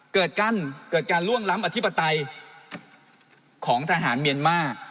เกิดการล่วงล้ำอธิบัตโตย์ของทหารมีรม่า